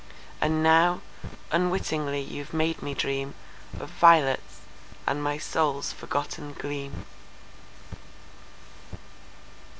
And now—unwittingly, you've made me dreamOf violets, and my soul's forgotten gleam.